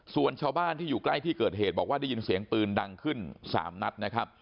ส่วนชาวบ้านที่อยู่ใกล้ที่เกิดเหตุบอกว่าได้ยินเสียงปืนดังขึ้น๓นัดนะครับ